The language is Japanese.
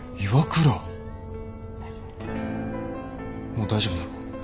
もう大丈夫なのか？